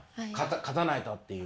勝たないとっていう。